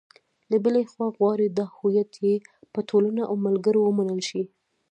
له بلې خوا غواړي دا هویت یې په ټولنه او ملګرو ومنل شي.